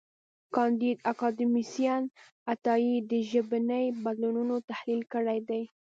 کانديد اکاډميسن عطایي د ژبني بدلونونو تحلیل کړی دی.